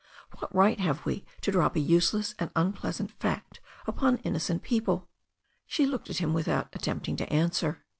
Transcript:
What right have we to drop a useless and unpleasant fact upon innocent people?" She looked at him without attempting to answer..